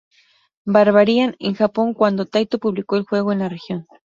Barbarian" en Japón cuando Taito publicó el juego en la región.